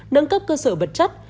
nâng cấp cơ sở vật chất